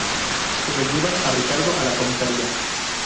Se lo llevan a Ricardo a la Comisaría.